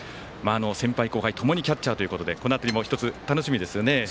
先輩、後輩ともにキャッチャーということでこの辺りも１つ楽しみですよね。